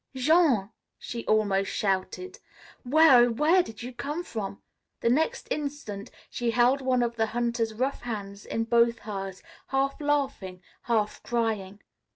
"Jean!" she almost shouted. "Where, oh, where did you come from?" The next instant she held one of the hunter's rough hands in both hers, half laughing, half crying.